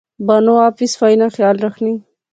بانو آپ وی صفائی نا خیال رخنی